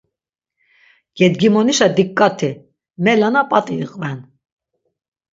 Gedgimonişa dik̆k̆ati, melana p̆at̆i iqven.